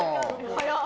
早っ！